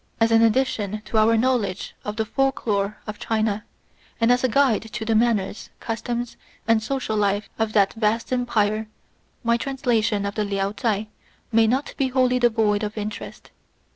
As an addition to our knowledge of the folk lore of China, and as an aper$u of the manners, customs, and social life of that vast Empire, my translation of the Liao Chai may not be wholly devoid of interest.